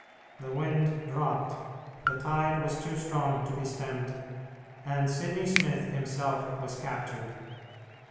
The wind dropped, the tide was too strong to be stemmed, and Sidney Smith himself was captured.